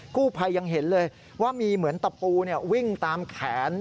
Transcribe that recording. กู้ภัยยังเห็นเลยว่ามีเหมือนตะปูวิ่งตามแขน